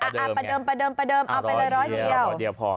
ประเดิมประเดิมประเดิมเอาไปเลยร้อยเดียวพอ